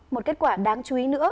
một kết quả đáng chú ý nữa